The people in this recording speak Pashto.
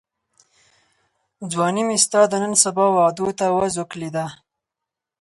ځواني مي ستا د نن سبا وعدو ته وزوکلېده